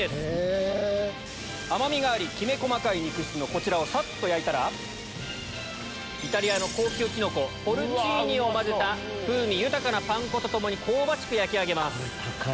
甘みがありきめ細かい肉質のこちらをさっと焼いたらイタリアの高級キノコを混ぜた風味豊かなパン粉と共に香ばしく焼き上げます。